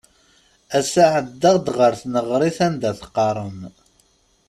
Ass-a ɛeddaɣ-d ɣer tneɣrit anda teqqarem.